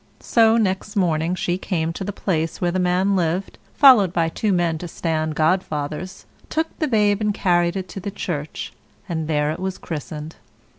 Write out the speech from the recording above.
So next morning she came to the place where the man lived, followed by two men to stand godfathers, took the babe and carried it to church, and there it was christened.